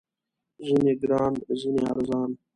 ځینې ګران، ځینې ارزان